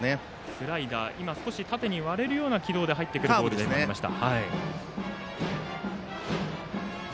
スライダー縦に割れるような軌道で入ってくるボールもありました。